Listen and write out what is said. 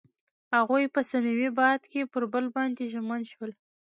هغوی په صمیمي باد کې پر بل باندې ژمن شول.